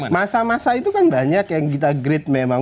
masa masa itu kan banyak yang kita grid memang